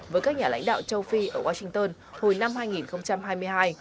với các nhà lãnh đạo châu phi ở washington hồi năm hai nghìn hai mươi hai